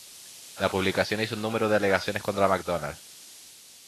La publicación hizo un número de alegaciones contra McDonald's.